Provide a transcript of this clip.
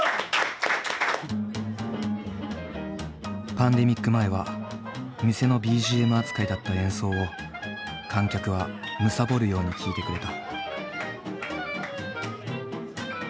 パンデミック前は店のＢＧＭ扱いだった演奏を観客は貪るように聴いてくれた。